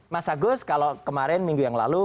mas agus kalau kemarin minggu yang lalu